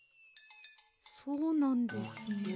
そうなんですね。